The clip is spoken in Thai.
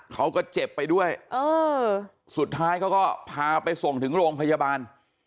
เขาก็เจ็บไปด้วยเออสุดท้ายเขาก็พาไปส่งถึงโรงพยาบาล